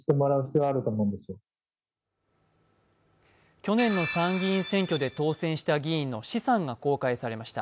去年の参議院選挙で当選した議員の資産が公開されました。